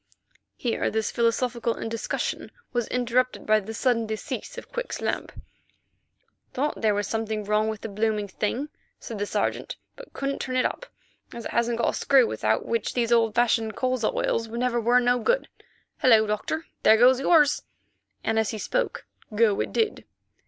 Here this philosophical discussion was interrupted by the sudden decease of Quick's lamp. "Thought there was something wrong with the blooming thing," said the Sergeant, "but couldn't turn it up, as it hasn't got a screw, without which these old fashioned colza oils never were no good. Hullo! Doctor, there goes yours," and as he spoke, go it did.